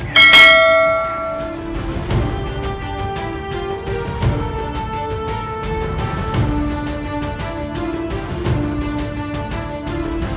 aku harus menolongnya